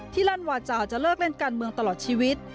ลั่นวาจาจะเลิกเล่นการเมืองตลอดชีวิต